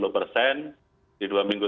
dua puluh persen di dua minggu